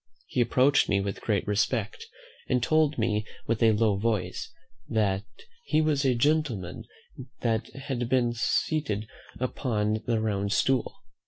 He approached me with great respect, and told me, with a low voice, "he was the gentleman that had been seated upon the round stool."